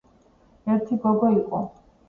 ერთი გოგო იყო